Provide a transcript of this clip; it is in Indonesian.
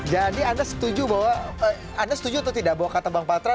jadi anda setuju atau tidak bahwa kata bang batra